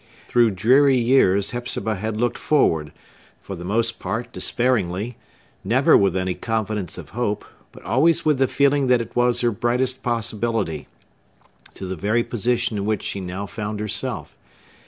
Through dreary years Hepzibah had looked forward—for the most part despairingly, never with any confidence of hope, but always with the feeling that it was her brightest possibility—to the very position in which she now found herself.